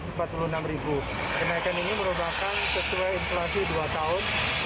kenaikan ini merupakan sesuai inflasi dua tahun